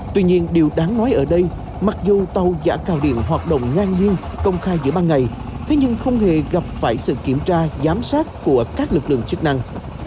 tuy nhiên điều đáng nói ở đây mặc dù tàu giả cao điện hoạt động ngang nhiên công khai giữa ban ngày thế nhưng không hề gặp phải sự kiểm tra giám sát của các lực lượng chức năng